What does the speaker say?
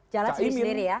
jalan sendiri ya